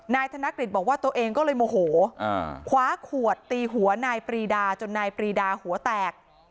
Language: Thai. นายกฤษบอกว่าตัวเองก็เลยโมโหคว้าขวดตีหัวนายปรีดาจนนายปรีดาหัวแตก